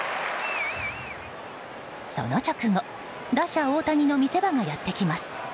その直後、打者・大谷の見せ場がやってきます。